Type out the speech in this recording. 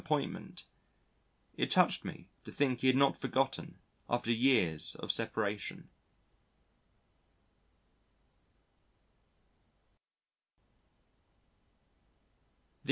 appointment. It touched me to think he had not forgotten after years of separation.